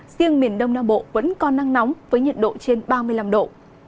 riêng miền đông nam bộ vẫn còn nắng nóng với nhiệt độ trên ba mươi năm độ